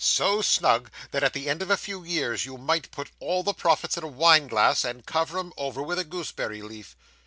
'So snug, that at the end of a few years you might put all the profits in a wine glass, and cover 'em over with a gooseberry leaf.